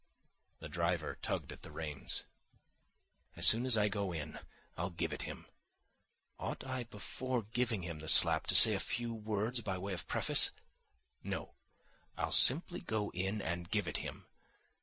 The driver tugged at the reins. "As soon as I go in I'll give it him. Ought I before giving him the slap to say a few words by way of preface? No. I'll simply go in and give it him.